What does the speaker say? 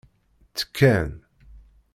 Ttekkan.